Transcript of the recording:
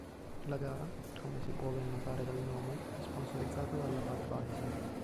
La gara, come si può ben notare dal nome, è sponsorizzata dalla Budweiser.